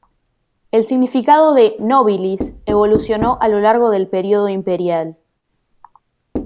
El significado de "nobilis" evolucionó a lo largo del periodo imperial.